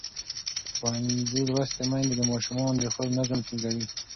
ښوونځې لوستې میندې د ماشومانو د خوب نظم ټینګوي.